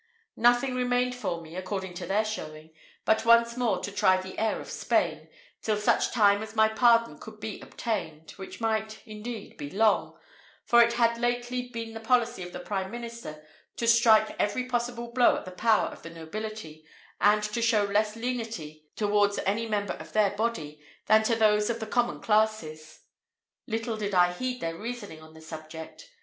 Nothing remained for me, according to their showing, but once more to try the air of Spain, till such time as my pardon could be obtained, which might, indeed, be long; for it had lately been the policy of the prime minister to strike every possible blow at the power of the nobility, and to show less lenity towards any member of their body, than to those of the common classes. Little did I heed their reasoning on the subject.